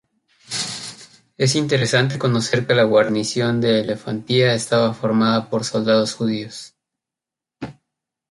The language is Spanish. Es interesante conocer que la guarnición de Elefantina estaba formada por soldados judíos.